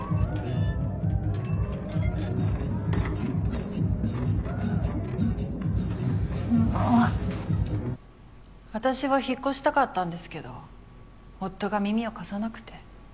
現在私は引っ越したかったんですけど夫が耳を貸さなくて。